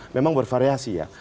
memang bervariasi ya